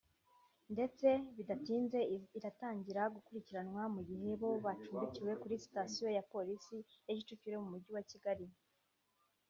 ndetse bidatinze iratangira gukurikiranwa mu gihe bo bacumbikiwe muri sitasiyo ya Polisi ya Kicukiro mu Mujyi wa Kigali